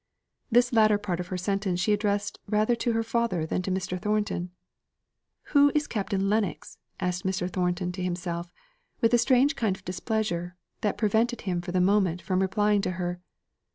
This latter part of her sentence she addressed rather to her father than to Mr. Thornton. Who is Captain Lennox? asked Mr. Thornton of himself, with a strange kind of displeasure, that prevented him for the moment from replying to her!